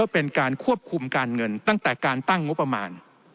เป็นการควบคุมการเงินตั้งแต่การตั้งงบประมาณ